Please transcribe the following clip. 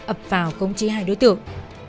ấp vào công trí hai đối tượng